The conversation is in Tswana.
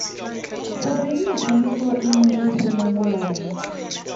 Goreng metshameko e ne e se mo molaong?